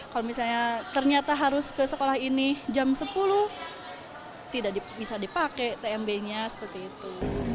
kalau misalnya ternyata harus ke sekolah ini jam sepuluh tidak bisa dipakai tmb nya seperti itu